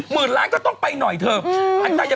ล้านก็ต้องไปหน่อยเถอะ